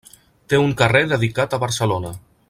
Té un carrer dedicat a Barcelona.